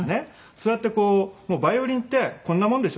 そうやってヴァイオリンってこんなもんでしょ？